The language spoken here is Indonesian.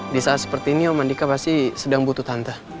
di saat seperti ini omandika pasti sedang butuh tante